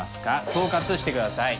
総括して下さい。